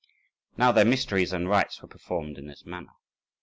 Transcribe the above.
Now their mysteries and rites were performed in this manner.